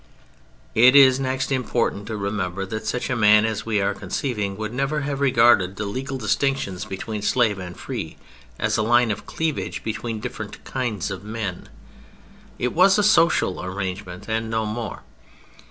It is next important to remember that such a man as we are conceiving would never have regarded the legal distinctions between slave and free as a line of cleavage between different kinds of men. It was a social arrangement and no more.